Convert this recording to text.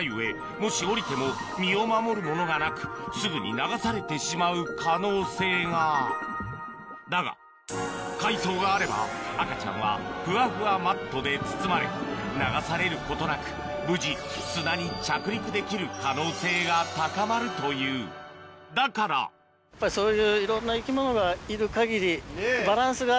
もし降りても身を守るものがなくすぐに流されてしまう可能性がだが海藻があれば赤ちゃんはふわふわマットで包まれ流されることなく無事砂に着陸できる可能性が高まるというだからそういう。